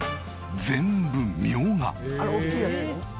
あの大きいやつも？